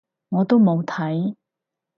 我都冇睇